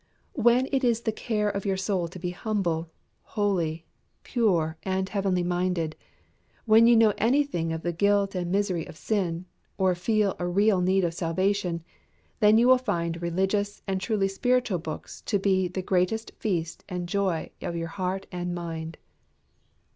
When it is the care of your soul to be humble, holy, pure, and heavenly minded; when you know anything of the guilt and misery of sin, or feel a real need of salvation, then you will find religious and truly spiritual books to be the greatest feast and joy of your mind and heart."